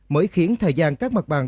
mới khiến thời gian các mặt bằng